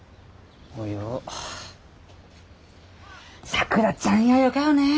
さくらちゃんやよかよね。